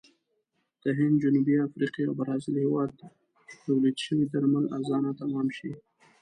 د هند، جنوبي افریقې او برازیل هېواد تولید شوي درمل ارزانه تمام شي.